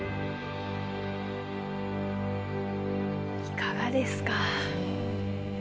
いかがですか？